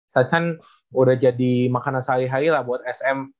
saya kan udah jadi makanan sehari hari lah buat sm